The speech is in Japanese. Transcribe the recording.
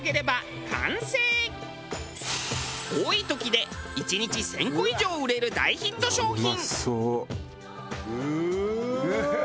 多い時で１日１０００個以上売れる大ヒット商品。